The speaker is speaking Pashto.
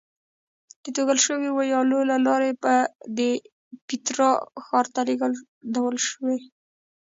د توږل شویو ویالو له لارې به د پیترا ښار ته لېږدول شوې.